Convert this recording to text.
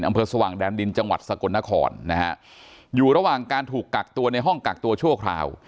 สว่างแดนดินจังหวัดสกลนครนะฮะอยู่ระหว่างการถูกกักตัวในห้องกักตัวชั่วคราว